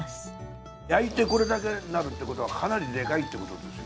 焼いてこれだけなるってことはかなりでかいってことですよ。